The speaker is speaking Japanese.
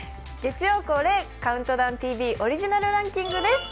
月曜恒例、「ＣＯＵＮＴＤＯＷＮＴＶ」オリジナルランキングです。